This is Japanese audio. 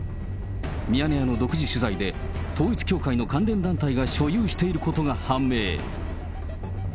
ミヤネ屋の独自取材で、統一教会の関連団体が所有していることが判明。